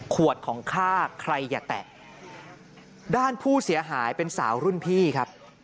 ของข้าใครอย่าแตะด้านผู้เสียหายเป็นสาวรุ่นพี่ครับ